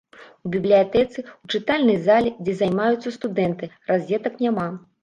У бібліятэцы, у чытальнай зале, дзе займаюцца студэнты, разетак няма.